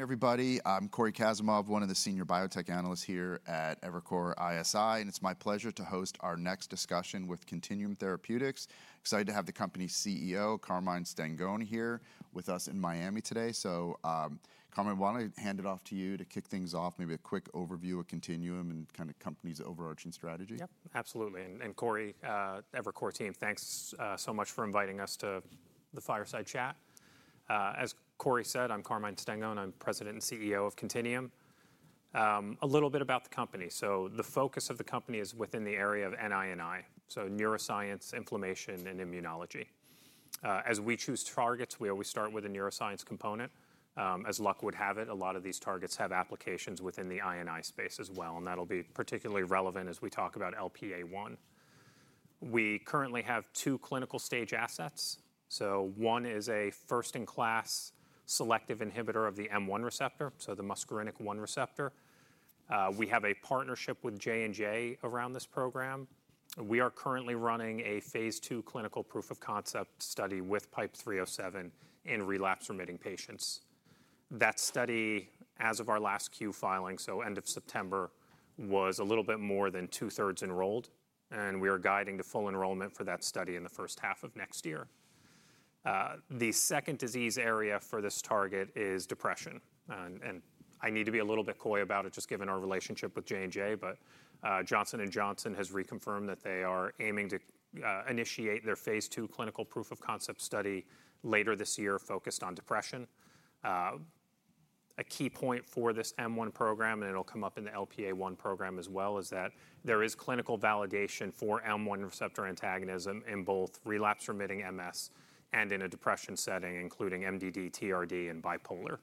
Hey, everybody. I'm Cory Kasimov, one of the senior biotech analysts here at Evercore ISI, and it's my pleasure to host our next discussion with Contineum Therapeutics. Excited to have the company's CEO, Carmine Stengone, here with us in Miami today. So, Carmine, why don't I hand it off to you to kick things off? Maybe a quick overview of Contineum and kind of the company's overarching strategy. Yep, absolutely. And Cory, Evercore team, thanks so much for inviting us to the fireside chat. As Cory said, I'm Carmine Stengone, and I'm President and CEO of Contineum. A little bit about the company. So the focus of the company is within the area of NI&I, so neuroscience, inflammation, and immunology. As we choose targets, we always start with a neuroscience component. As luck would have it, a lot of these targets have applications within the I&I space as well, and that'll be particularly relevant as we talk about LPA1. We currently have two clinical stage assets. So one is a first-in-class selective inhibitor of the M1 receptor, so the muscarinic 1 receptor. We have a partnership with J&J around this program. We are currently running a Phase II clinical proof of concept study with PIPE-307 in relapse-remitting patients. That study, as of our last Q filing, so end of September, was a little bit more than two-thirds enrolled, and we are guiding to full enrollment for that study in the first half of next year. The second disease area for this target is depression. And I need to be a little bit coy about it, just given our relationship with J&J, but Johnson & Johnson has reconfirmed that they are aiming to initiate their Phase II clinical proof of concept study later this year, focused on depression. A key point for this M1 program, and it'll come up in the LPA1 program as well, is that there is clinical validation for M1 receptor antagonism in both relapse-remitting MS and in a depression setting, including MDD, TRD, and bipolar.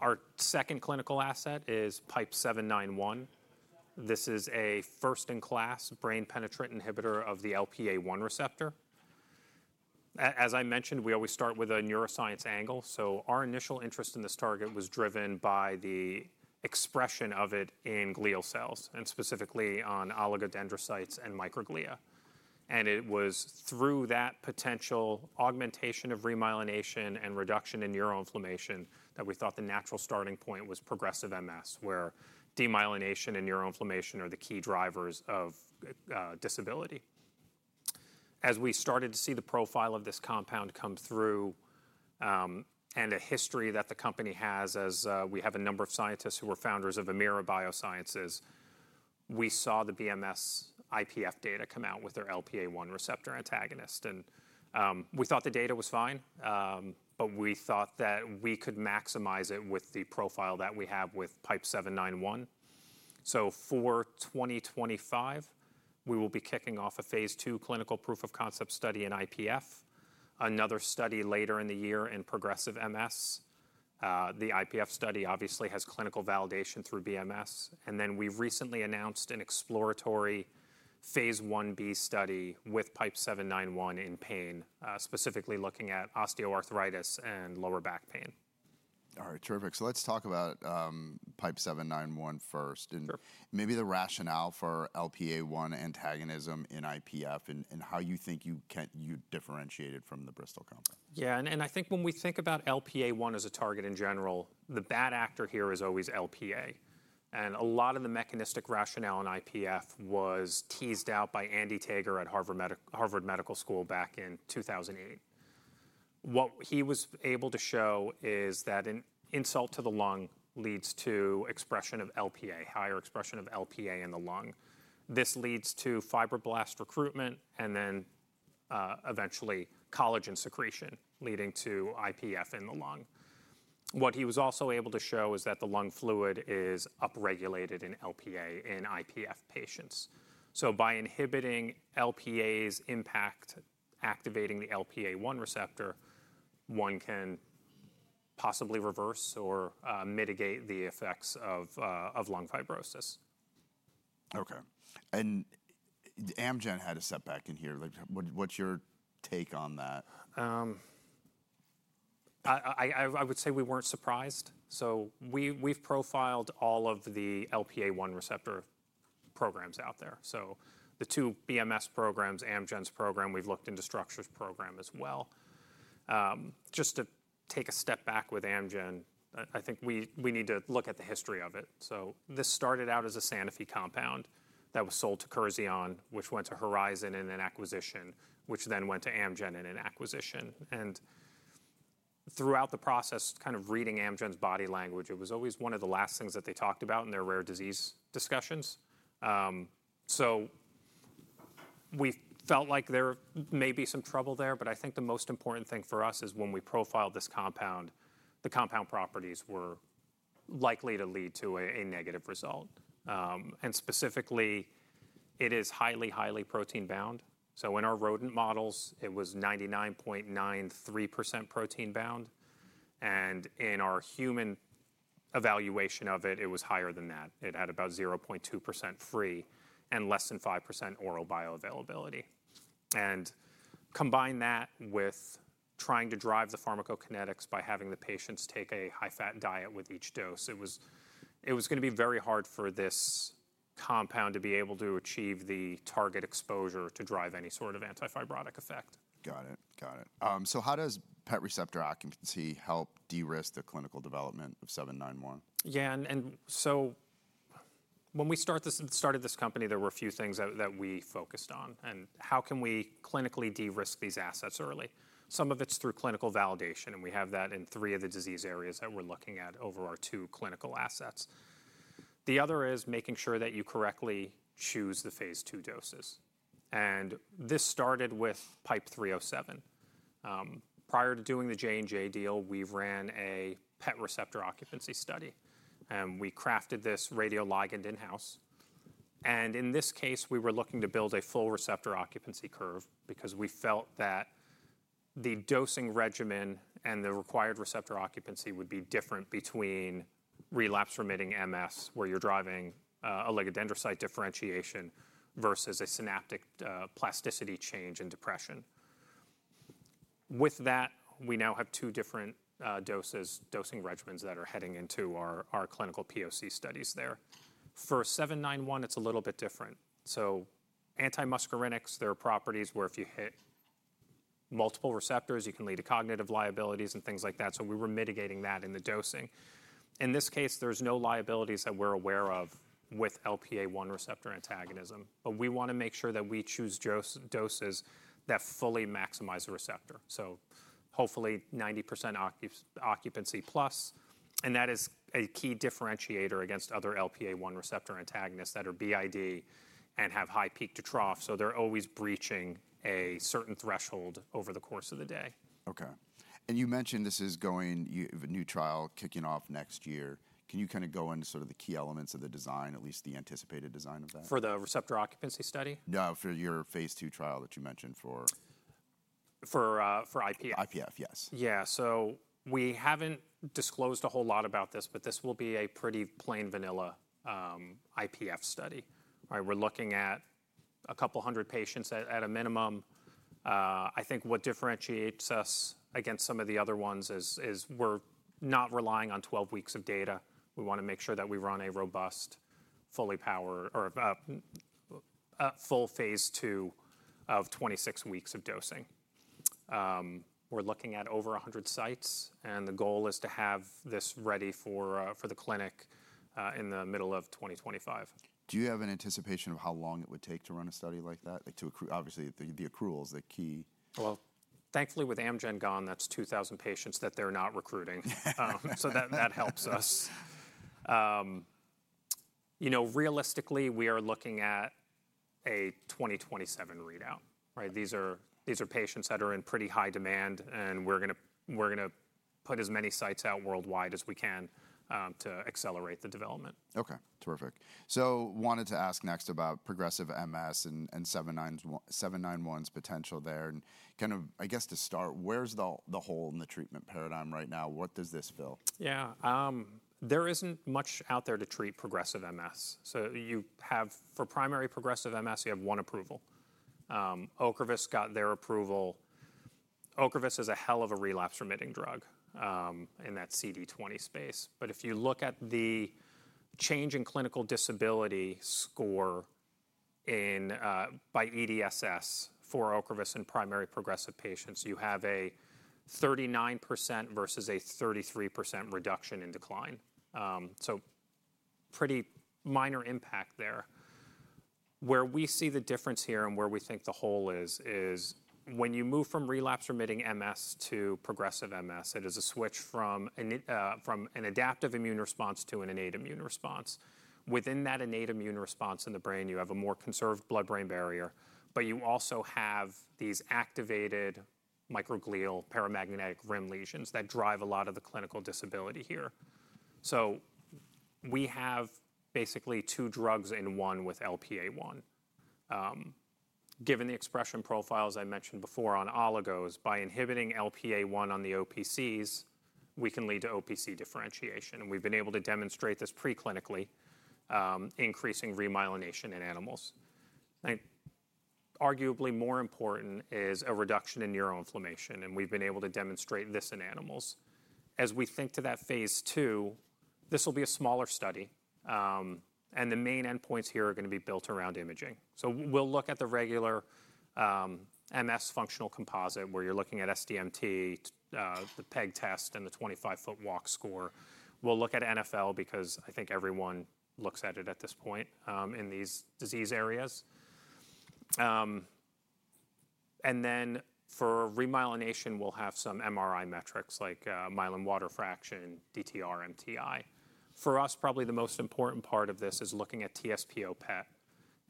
Our second clinical asset is PIPE-791. This is a first-in-class brain-penetrating inhibitor of the LPA1 receptor. As I mentioned, we always start with a neuroscience angle. So our initial interest in this target was driven by the expression of it in glial cells, and specifically on oligodendrocytes and microglia. And it was through that potential augmentation of remyelination and reduction in neuroinflammation that we thought the natural starting point was progressive MS, where demyelination and neuroinflammation are the key drivers of disability. As we started to see the profile of this compound come through and the history that the company has, as we have a number of scientists who were founders of Amira Biosciences, we saw the BMS IPF data come out with their LPA1 receptor antagonist. And we thought the data was fine, but we thought that we could maximize it with the profile that we have with PIPE-791. For 2025, we will be kicking off a Phase II clinical proof of concept study in IPF, another study later in the year in progressive MS. The IPF study obviously has clinical validation through BMS. Then we've recently announced an exploratory phase 1b study with PIPE-791 in pain, specifically looking at osteoarthritis and lower back pain. All right, terrific. So let's talk about PIPE-791 first and maybe the rationale for LPA1 antagonism in IPF and how you think you differentiated from the Bristol compound. Yeah, and I think when we think about LPA1 as a target in general, the bad actor here is always LPA. And a lot of the mechanistic rationale in IPF was teased out by Andy Tager at Harvard Medical School back in 2008. What he was able to show is that an insult to the lung leads to expression of LPA, higher expression of LPA in the lung. This leads to fibroblast recruitment and then eventually collagen secretion, leading to IPF in the lung. What he was also able to show is that the lung fluid is upregulated in LPA in IPF patients. So by inhibiting LPA's impact, activating the LPA1 receptor, one can possibly reverse or mitigate the effects of lung fibrosis. Okay. And Amgen had a setback in here. What's your take on that? I would say we weren't surprised. So we've profiled all of the LPA1 receptor programs out there. So the two BMS programs, Amgen's program, we've looked into Structure's program as well. Just to take a step back with Amgen, I think we need to look at the history of it. So this started out as a Sanofi compound that was sold to Curzion, which went to Horizon in an acquisition, which then went to Amgen in an acquisition. And throughout the process, kind of reading Amgen's body language, it was always one of the last things that they talked about in their rare disease discussions. So we felt like there may be some trouble there, but I think the most important thing for us is when we profiled this compound, the compound properties were likely to lead to a negative result. And specifically, it is highly, highly protein-bound. So in our rodent models, it was 99.93% protein-bound. And in our human evaluation of it, it was higher than that. It had about 0.2% free and less than 5% oral bioavailability. And combine that with trying to drive the pharmacokinetics by having the patients take a high-fat diet with each dose, it was going to be very hard for this compound to be able to achieve the target exposure to drive any sort of antifibrotic effect. Got it. Got it. So how does PET receptor occupancy help de-risk the clinical development of 791? Yeah, and so when we started this company, there were a few things that we focused on. And how can we clinically de-risk these assets early? Some of it's through clinical validation, and we have that in three of the disease areas that we're looking at over our two clinical assets. The other is making sure that you correctly choose the phase 2 doses. And this started with PIPE-307. Prior to doing the J&J deal, we ran a PET receptor occupancy study. And we crafted this radioligand in-house. And in this case, we were looking to build a full receptor occupancy curve because we felt that the dosing regimen and the required receptor occupancy would be different between relapse-remitting MS, where you're driving oligodendrocyte differentiation, versus a synaptic plasticity change in depression. With that, we now have two different dosing regimens that are heading into our clinical POC studies there. For 791, it's a little bit different, so anti-muscarinics, there are properties where if you hit multiple receptors, you can lead to cognitive liabilities and things like that, so we were mitigating that in the dosing. In this case, there's no liabilities that we're aware of with LPA1 receptor antagonism, but we want to make sure that we choose doses that fully maximize the receptor, so hopefully 90% occupancy plus. And that is a key differentiator against other LPA1 receptor antagonists that are BID and have high peak to trough, so they're always breaching a certain threshold over the course of the day. Okay. And you mentioned this is going to a new trial kicking off next year. Can you kind of go into sort of the key elements of the design, at least the anticipated design of that? For the receptor occupancy study? No, for your Phase II trial that you mentioned for. For IPF. IPF, yes. Yeah, so we haven't disclosed a whole lot about this, but this will be a pretty plain vanilla IPF study. We're looking at a couple hundred patients at a minimum. I think what differentiates us against some of the other ones is we're not relying on 12 weeks of data. We want to make sure that we run a robust, fully powered, or full phase 2 of 26 weeks of dosing. We're looking at over 100 sites, and the goal is to have this ready for the clinic in the middle of 2025. Do you have an anticipation of how long it would take to run a study like that? Obviously, the accrual is the key. Thankfully, with Amgen gone, that's 2,000 patients that they're not recruiting. So that helps us. You know, realistically, we are looking at a 2027 readout. These are patients that are in pretty high demand, and we're going to put as many sites out worldwide as we can to accelerate the development. Okay, terrific. So wanted to ask next about progressive MS and 791's potential there. And kind of, I guess to start, where's the hole in the treatment paradigm right now? What does this fill? Yeah, there isn't much out there to treat progressive MS. So you have, for primary progressive MS, you have one approval. Ocrevus got their approval. Ocrevus is a hell of a relapse-remitting drug in that CD20 space. But if you look at the change in clinical disability score by EDSS for Ocrevus in primary progressive patients, you have a 39% versus a 33% reduction in decline. So pretty minor impact there. Where we see the difference here and where we think the hole is, is when you move from relapse-remitting MS to progressive MS, it is a switch from an adaptive immune response to an innate immune response. Within that innate immune response in the brain, you have a more conserved blood-brain barrier, but you also have these activated microglial paramagnetic rim lesions that drive a lot of the clinical disability here. So we have basically two drugs in one with LPA1. Given the expression profiles I mentioned before on oligos, by inhibiting LPA1 on the OPCs, we can lead to OPC differentiation. And we've been able to demonstrate this preclinically, increasing remyelination in animals. Arguably more important is a reduction in neuroinflammation, and we've been able to demonstrate this in animals. As we think to that phase 2, this will be a smaller study, and the main endpoints here are going to be built around imaging. So we'll look at the regular MS functional composite, where you're looking at SDMT, the Peg test, and the 25-foot walk score. We'll look at NFL because I think everyone looks at it at this point in these disease areas. And then for remyelination, we'll have some MRI metrics like myelin-water fraction, MTR, DTI. For us, probably the most important part of this is looking at TSPO PET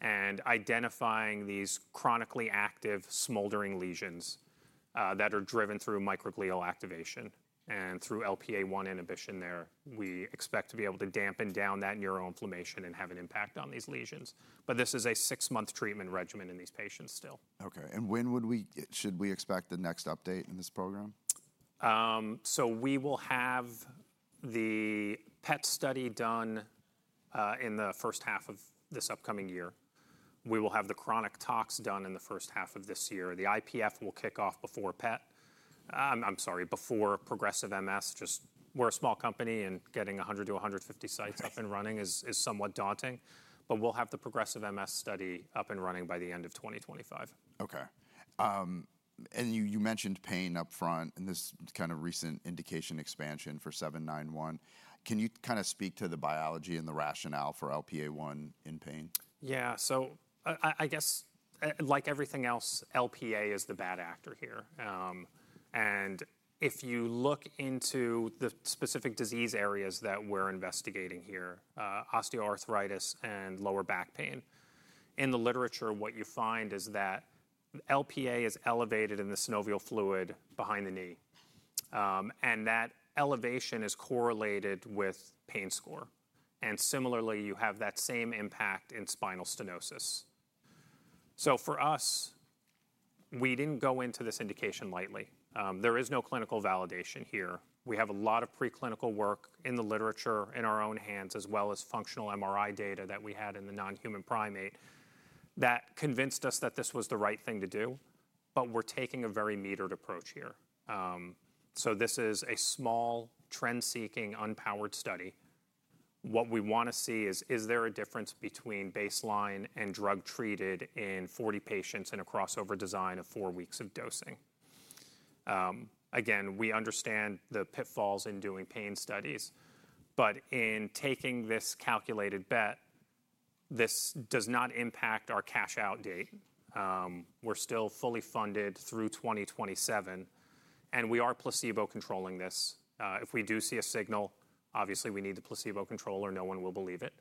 and identifying these chronically active smoldering lesions that are driven through microglial activation and through LPA1 inhibition there. We expect to be able to dampen down that neuroinflammation and have an impact on these lesions. But this is a six-month treatment regimen in these patients still. Okay, and when should we expect the next update in this program? We will have the PET study done in the first half of this upcoming year. We will have the chronic tox done in the first half of this year. The IPF will kick off before PET. I'm sorry, before progressive MS. Just, we're a small company, and getting 100-150 sites up and running is somewhat daunting. We'll have the progressive MS study up and running by the end of 2025. Okay. And you mentioned pain upfront and this kind of recent indication expansion for 791. Can you kind of speak to the biology and the rationale for LPA1 in pain? Yeah, so I guess, like everything else, LPA is the bad actor here. And if you look into the specific disease areas that we're investigating here, osteoarthritis and lower back pain, in the literature, what you find is that LPA is elevated in the synovial fluid behind the knee. And that elevation is correlated with pain score. And similarly, you have that same impact in spinal stenosis. So for us, we didn't go into this indication lightly. There is no clinical validation here. We have a lot of preclinical work in the literature in our own hands, as well as functional MRI data that we had in the non-human primate that convinced us that this was the right thing to do. But we're taking a very metered approach here. So this is a small, trend-seeking, unpowered study. What we want to see is there a difference between baseline and drug-treated in 40 patients and a crossover design of four weeks of dosing? Again, we understand the pitfalls in doing pain studies. But in taking this calculated bet, this does not impact our cash-out date. We're still fully funded through 2027. And we are placebo-controlling this. If we do see a signal, obviously we need the placebo control or no one will believe it.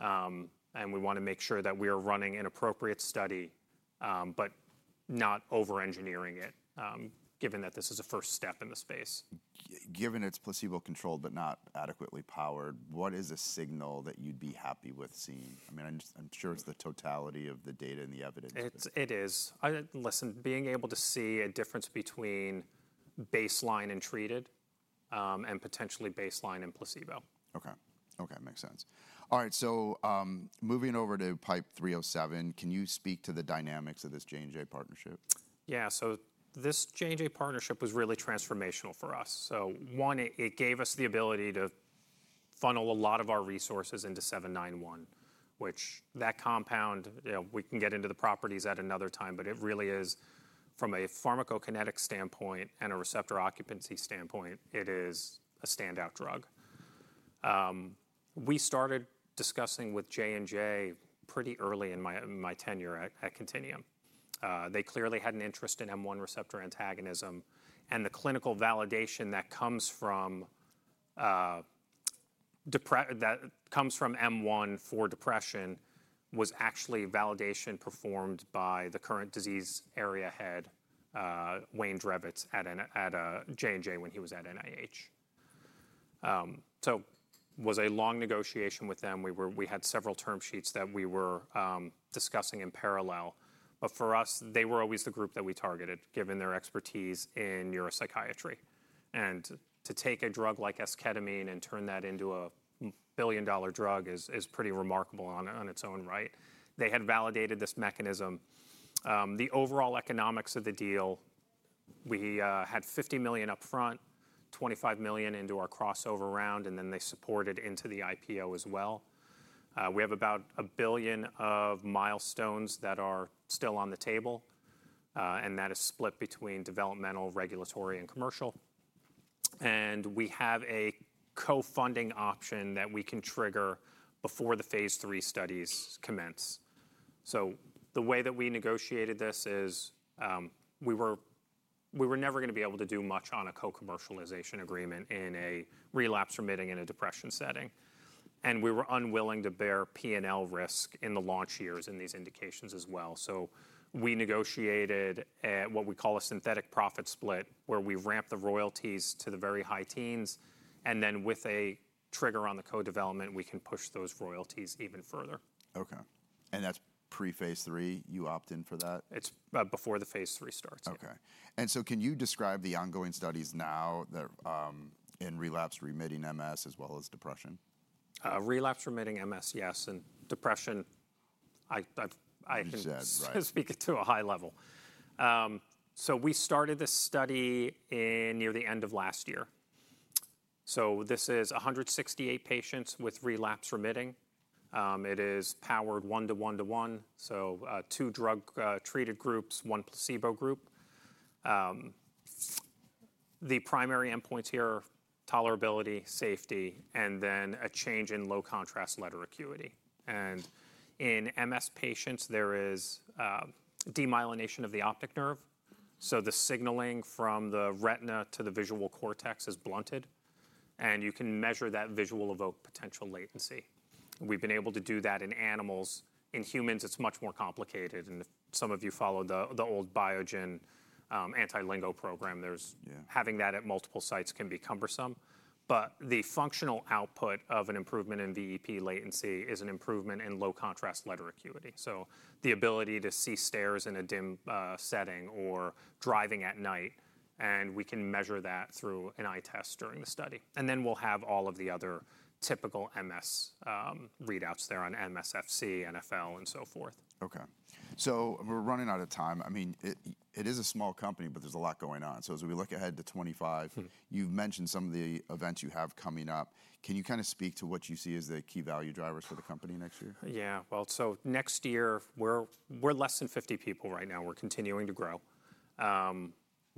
And we want to make sure that we are running an appropriate study, but not over-engineering it, given that this is a first step in the space. Given it's placebo-controlled but not adequately powered, what is a signal that you'd be happy with seeing? I mean, I'm sure it's the totality of the data and the evidence. It is. Listen, being able to see a difference between baseline and treated and potentially baseline and placebo. Okay. Okay, makes sense. All right, so moving over to PIPE-307, can you speak to the dynamics of this J&J partnership? Yeah, so this J&J partnership was really transformational for us. So one, it gave us the ability to funnel a lot of our resources into 791, which that compound, we can get into the properties at another time, but it really is, from a pharmacokinetic standpoint and a receptor occupancy standpoint, it is a standout drug. We started discussing with J&J pretty early in my tenure at Contineum. They clearly had an interest in M1 receptor antagonism. And the clinical validation that comes from M1 for depression was actually validation performed by the current disease area head, Wayne Drevets, at J&J when he was at NIH. So it was a long negotiation with them. We had several term sheets that we were discussing in parallel. But for us, they were always the group that we targeted, given their expertise in neuropsychiatry. To take a drug like esketamine and turn that into a billion-dollar drug is pretty remarkable on its own right. They had validated this mechanism. The overall economics of the deal, we had $50 million upfront, $25 million into our crossover round, and then they supported into the IPO as well. We have about $1 billion of milestones that are still on the table, and that is split between developmental, regulatory, and commercial. We have a co-funding option that we can trigger before the phase 3 studies commence. The way that we negotiated this is we were never going to be able to do much on a co-commercialization agreement in a relapse-remitting and a depression setting. We were unwilling to bear P&L risk in the launch years in these indications as well. So we negotiated what we call a synthetic profit split, where we ramp the royalties to the very high teens. And then with a trigger on the co-development, we can push those royalties even further. Okay. And that's Pre-Phase III, you opt in for that? It's before the Phase III starts. Okay. And so can you describe the ongoing studies now in relapsing-remitting MS as well as depression? Relapse-remitting MS, yes. And depression, I can speak to it at a high level. We started this study near the end of last year. This is 168 patients with relapse-remitting. It is powered one-to-one-to-one, so two drug-treated groups, one placebo group. The primary endpoints here are tolerability, safety, and then a change in low contrast letter acuity. In MS patients, there is demyelination of the optic nerve. The signaling from the retina to the visual cortex is blunted. You can measure that visual evoked potential latency. We've been able to do that in animals. In humans, it's much more complicated. If some of you follow the old Biogen anti-lingo program, having that at multiple sites can be cumbersome. The functional output of an improvement in VEP latency is an improvement in low contrast letter acuity. The ability to see stairs in a dim setting or driving at night, and we can measure that through an eye test during the study. Then we'll have all of the other typical MS readouts there on MSFC, NFL, and so forth. Okay. So we're running out of time. I mean, it is a small company, but there's a lot going on. So as we look ahead to 2025, you've mentioned some of the events you have coming up. Can you kind of speak to what you see as the key value drivers for the company next year? Yeah, well, so next year, we're less than 50 people right now. We're continuing to grow.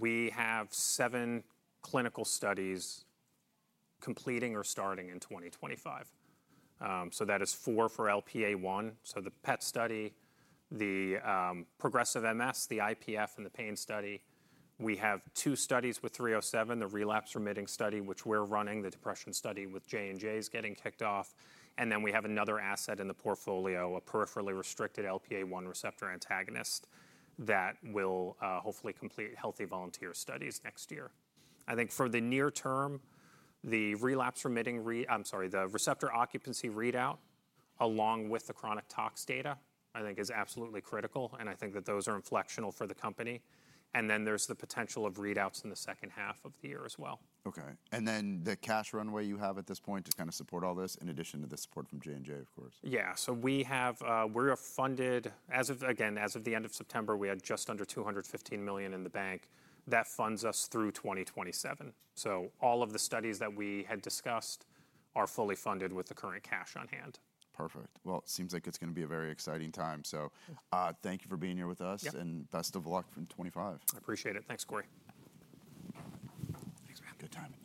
We have seven clinical studies completing or starting in 2025. So that is four for LPA1, so the PET study, the progressive MS, the IPF, and the pain study. We have two studies with 307, the relapse-remitting study, which we're running, the depression study with J&J is getting kicked off. And then we have another asset in the portfolio, a peripherally restricted LPA1 receptor antagonist that will hopefully complete healthy volunteer studies next year. I think for the near term, the relapse-remitting, I'm sorry, the receptor occupancy readout along with the chronic tox data, I think is absolutely critical. And I think that those are inflectional for the company. And then there's the potential of readouts in the second half of the year as well. Okay. And then the cash runway you have at this point to kind of support all this, in addition to the support from J&J, of course? Yeah, so we have funded. Again, as of the end of September, we had just under $215 million in the bank that funds us through 2027, so all of the studies that we had discussed are fully funded with the current cash on hand. Perfect. Well, it seems like it's going to be a very exciting time. So thank you for being here with us and best of luck in 2025. I appreciate it. Thanks, Cory. Thanks, Brian. Good timing.